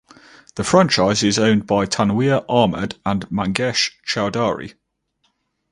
The franchise is owned by Tanweer Ahmed and Mangesh Chaudhari.